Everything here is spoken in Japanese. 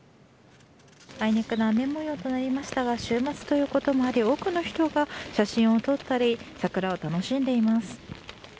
あいにくの雨模様となりましたが週末ということもあり多くの人が写真を撮ったり桜を楽しんでいます。